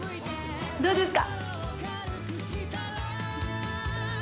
どうですか？